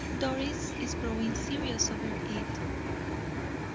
Doris is growing serious over it."